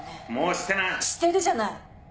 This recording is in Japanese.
してるじゃない。